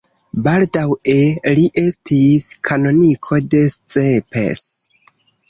Baldaŭe li estis kanoniko de Szepes.